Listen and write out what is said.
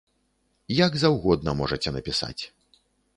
Як заўгодна можаце напісаць.